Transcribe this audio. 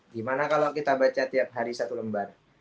gimana kalau kita baca tiap hari satu lembar